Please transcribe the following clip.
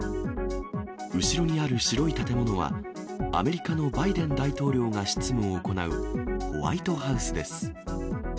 後ろにある白い建物は、アメリカのバイデン大統領が執務を行う、ホワイトハウスです。